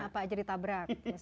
apa aja ditabrak